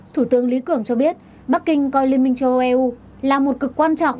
thủ tướng lý cường cho biết bắc kinh coi liên minh châu âu eu là một cực quan trọng